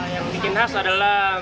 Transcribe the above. yang bikin khas adalah